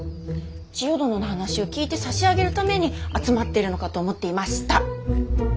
千世殿の話を聞いてさしあげるために集まってるのかと思っていました。